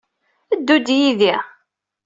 Ddu-d yid-i.